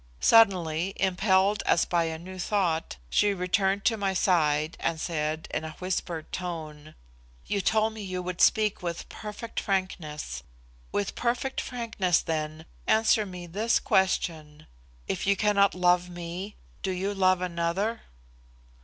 Suddenly, impelled as by a new thought, she returned to my side and said, in a whispered tone, "You told me you would speak with perfect frankness. With perfect frankness, then, answer me this question. If you cannot love me, do you love another?"